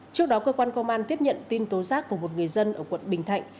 trước đó cơ quan công an tiếp nhận tin tố giác của một người dân ở quận bình thạnh